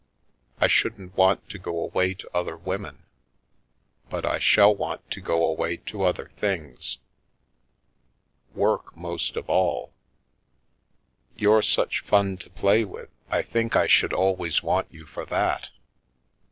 I shouldn't want to go away to other women, but I shall want to go away to other things. Work, most of all. You're such fun to play with, I think I should always want you for that!